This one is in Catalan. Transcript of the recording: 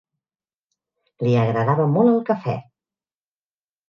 Li agradava molt el cafè.